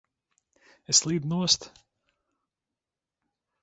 Es slīdu nost!